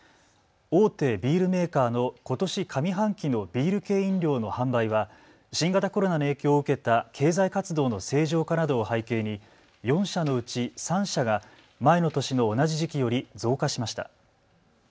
大手ビールメーカーのことし上半期のビール系飲料の販売は新型コロナの影響を受けた経済活動の正常化などを背景に４社のうち３社が前の年の同じ時期より増加しました。